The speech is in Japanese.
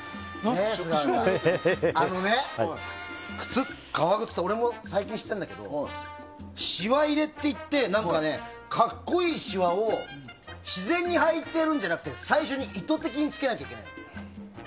あのね、革靴って俺も最近知ったんだけどしわ入れって言って格好いいしわを自然に入ってるんじゃなくて最初に意図的につけないといけないの。